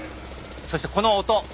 そしてこの音。